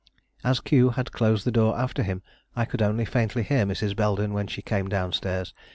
As Q had closed the door after him, I could only faintly hear Mrs. Belden when she came down stairs.